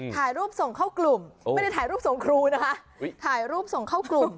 ถ่ายรูปส่งเข้ากลุ่มไม่ได้ถ่ายรูปส่งครูนะคะถ่ายรูปส่งเข้ากลุ่ม